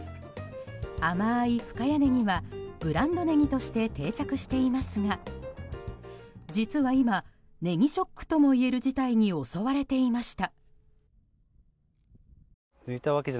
甘い深谷ねぎはブランドネギとして定着していますが実は今、ネギショックともいえる事態に襲われていました。